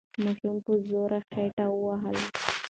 ماشوم په زوره خټ وهل.